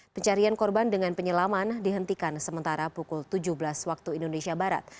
pencarian korban dengan penyelaman dihentikan sementara pukul tujuh belas waktu indonesia barat